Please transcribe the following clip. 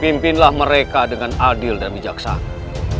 pimpinlah mereka dengan adil dan bijaksana